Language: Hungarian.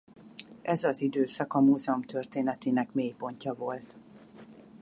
Ez az időszak a múzeum történetének mélypontja volt.